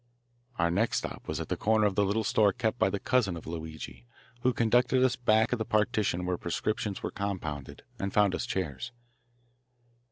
Our next stop was at the corner at the little store kept by the cousin of Luigi, who conducted us back of the partition where prescriptions were compounded, and found us chairs.